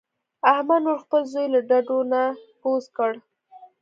احمد نور خپل زوی له ډډو نه کوز کړ.